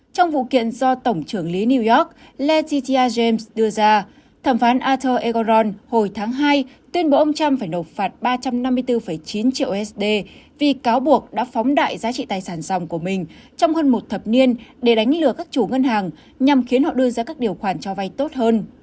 trong vụ kiện do tổng trưởng lý new york leninia james đưa ra thẩm phán ather egaron hồi tháng hai tuyên bố ông trump phải nộp phạt ba trăm năm mươi bốn chín triệu usd vì cáo buộc đã phóng đại giá trị tài sản dòng của mình trong hơn một thập niên để đánh lừa các chủ ngân hàng nhằm khiến họ đưa ra các điều khoản cho vay tốt hơn